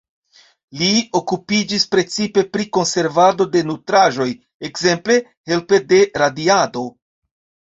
Li okupiĝis precipe pri konservado de nutraĵoj, ekzemple helpe de radiado.